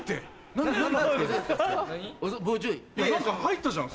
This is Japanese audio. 何か入ったじゃん。